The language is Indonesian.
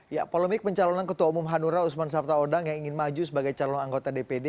ya polemik pencalonan ketua umum hanura usman sabta odang yang ingin maju sebagai calon anggota dpd